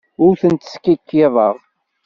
Ur tent-skikkiḍeɣ.